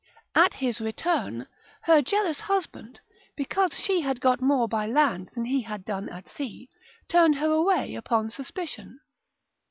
At his return, her jealous husband, because she had got more by land than he had done at sea, turned her away upon suspicion.